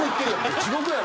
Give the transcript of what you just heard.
地獄やろ。